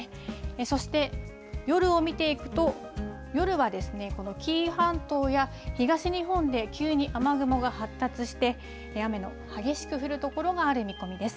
そして夜を見ていくと、夜はですね、この紀伊半島や東日本で九州に雨雲が発達して、急に雨の激しく降る所がある見込みです。